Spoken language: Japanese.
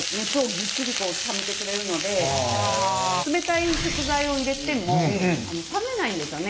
冷たい食材を入れても冷めないんですよね。